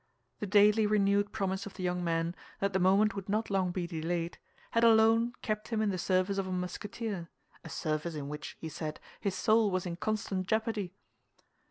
The daily renewed promise of the young man that the moment would not long be delayed, had alone kept him in the service of a Musketeer—a service in which, he said, his soul was in constant jeopardy.